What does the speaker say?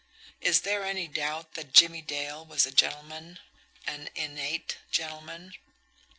Is there any doubt that Jimmie Dale was a gentleman an INNATE gentleman?